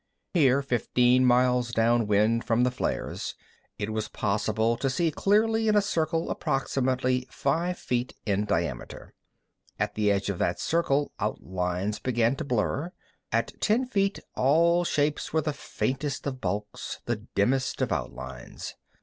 Here, fifteen miles down wind from the flares, it was possible to see clearly in a circle approximately five feet in diameter. At the edge of that circle outlines began to blur. At ten feet all shapes were the faintest of bulks, the dimmest of outlines.